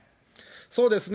そうですね。